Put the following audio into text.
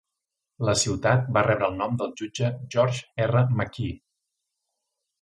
La ciutat va rebre el nom del jutge George R. McKee.